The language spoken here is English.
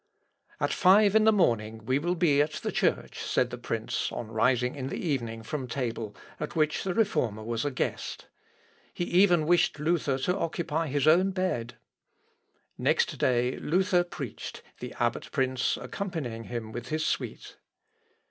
] "At five in the morning we will be at the church," said the prince, on rising in the evening from table, at which the Reformer was a guest. He even wished Luther to occupy his own bed. Next day, Luther preached, the abbot prince accompanying him with his suite.